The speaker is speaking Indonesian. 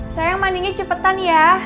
sayang mandinya cepetan ya